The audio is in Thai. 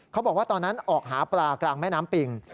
เขาบอกว่าตอนนั้นออกหาปลากลางแม่น้ำปิง